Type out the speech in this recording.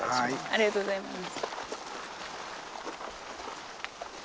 ありがとうございます。